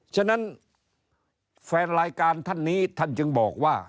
ฉะนั้นแฟนรายการท่านนี้ท่านจึงบอกว่า